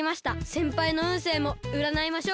せんぱいのうんせいもうらないましょうか？